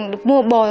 được mua bò